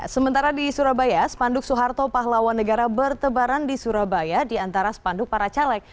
sementara di surabaya spanduk soeharto pahlawan negara bertebaran di surabaya di antara spanduk para caleg